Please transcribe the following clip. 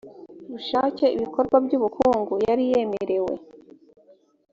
bushake ibikorwa by ubukungu yari yemerewe